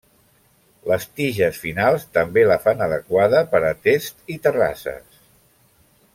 Les tiges finals també la fan adequada per a tests i terrasses.